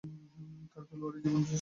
তার খেলোয়াড়ী জীবন স্বল্পকালীন ছিল।